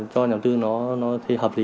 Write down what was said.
cho nhà đầu tư